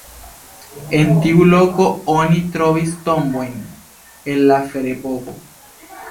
En tiu loko oni trovis tombojn el la ferepoko.